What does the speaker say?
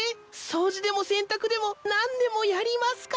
掃除でも洗濯でも何でもやりますから。